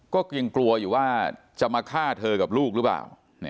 ก็ยังกลัวอยู่ว่าจะมาฆ่าเธอกับลูกหรือเปล่า